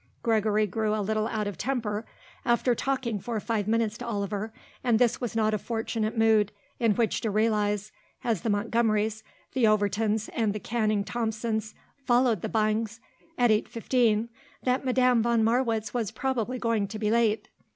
Gregory grew a little out of temper after talking for five minutes to Oliver and this was not a fortunate mood in which to realise, as the Montgomerys, the Overtons and the Canning Thompsons followed the Byngs, at eight fifteen, that Madame von Marwitz was probably going to be late.